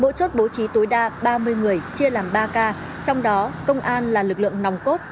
mỗi chốt bố trí tối đa ba mươi người chia làm ba k trong đó công an là lực lượng nòng cốt